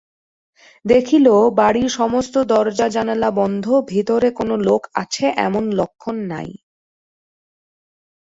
দেখিল, বাড়ির সমস্ত দরজাজোনলা বন্ধ, ভিতরে কোনো লোক আছে এমন লক্ষণ নাই।